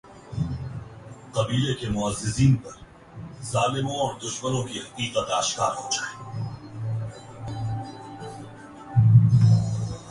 خام مال پر ٹیکسز ڈیوٹیز کو مرحلہ وار ختم کیا جائے گا مشیر تجارت